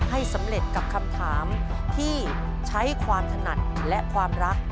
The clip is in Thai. ให้สำเร็จกับคำถามที่ใช้ความถนัดและความรัก